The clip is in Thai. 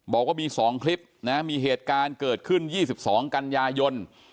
บอกว่ามี๒คลิปนะมีเหตุการณ์เกิดขึ้น๒๒กันยายน